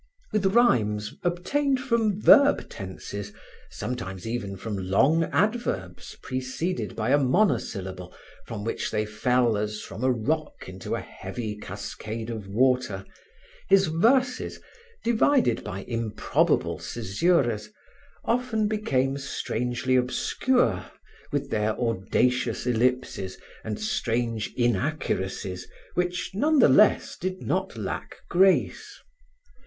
With rhymes obtained from verb tenses, sometimes even from long adverbs preceded by a monosyllable from which they fell as from a rock into a heavy cascade of water, his verses, divided by improbable caesuras, often became strangely obscure with their audacious ellipses and strange inaccuracies which none the less did not lack grace.